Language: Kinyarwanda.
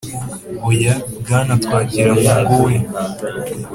Oya, Bwana Twagiramungu we